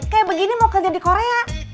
kayak begini mau kerja di korea